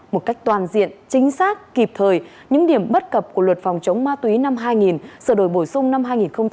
một cách toàn diện chính xác kịp thời những điểm bất cập của luật phòng chống ma túy năm hai nghìn sửa đổi bổ sung năm hai nghìn tám